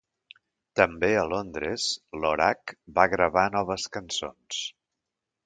També a Londres, Lorak va gravar noves cançons.